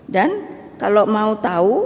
dan kalau mau tahu